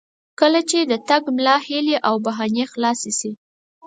کله چې د ټګ ملا هیلې او بهانې خلاصې شي.